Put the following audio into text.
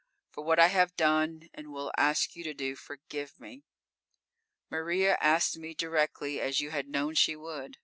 For what I have done and will ask you to do, forgive me!_ _Maria asked me directly, as you had known she would.